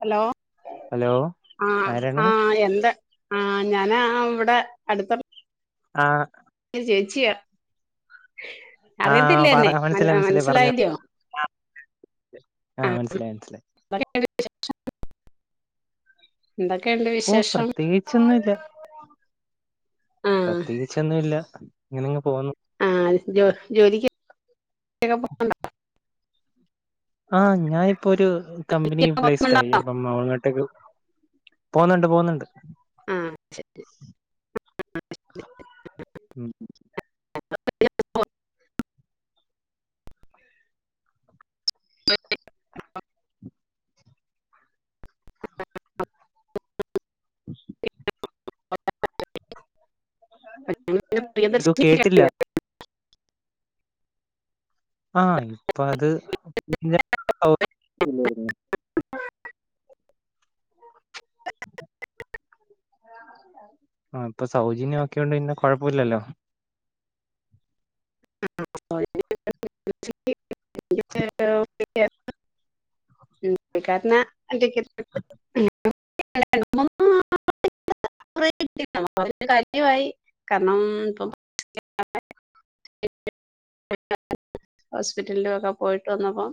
Hello hello ആ ആരാണ് ആ എന്താ ആ ഞാന് ആ ഇവിടെ അടുത്ത ആ ചേച്ചിയ ആഹ് അറിയത്തില്ലെ എന്നെ മനസ്സിലായില്ലയോ ആ മനസിലായി മനസിലായി എന്തൊക്കെയുണ്ട് എന്തൊക്കെയുണ്ട് ഓ വിശേഷം പ്രത്യേകിച്ചൊന്നു ഇല്ല ആഹ് പ്രത്യേകിച്ചൊന്നു ഇല്ല ഇങ്ങനെ അങ്ങ് പോവുന്നു ആ ജോലിക്ക് പോണ്ടെ ആഹ് ഞാന് ഇപ്പൊ ഒരു കമ്പനി പ്ലേസ്ഡ് ണ്ടോ ആയി അപ്പം അങ്ങോട്ടേക്ക് പോവുന്നുണ്ട് പോവുന്നുണ്ട് ആ ശരി ഉം ഉം [inaudible] ഞങ്ങള് എന്തോ പ്രിയദർശിനി കേട്ടില്ല കണ്ടിരുന്നു. ആഹ് ഇപ്പൊ അത് [unintelligible] ആ ഇപ്പൊ സൗജന്യം ഒക്കെയുണ്ട് പിന്നെ കൊഴപ്പുല്ലല്ലോ ആ [unintelligible] കാരണം [unintelligible] [unintelligible] [unintelligible] കാര്യമായി കാരണം ഇപ്പം [unintelligible] ഹോസ്പിറ്റലിലും ഒക്കെ പോയിട്ട് വന്നപ്പോ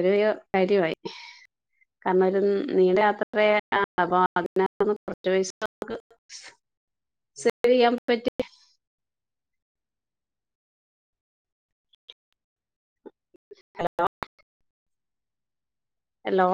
ഒരു കാര്യമായി കാരണം ഒരു നീണ്ട യാത്രയാ അപ്പൊ അതിന് കുറച്ച് പൈസക്ക്‌ സേവ് ചെയ്യാൻ പറ്റി ഹലോ ഹലോ